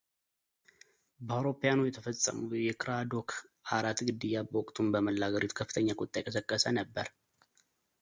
በአውሮፓውያኑ የተፈጸመው የክራዶክ አራት ግድያ በወቅቱም በመላ አገሪቱ ከፍተኛ ቁጣ የቀሰቀሰ ነበር።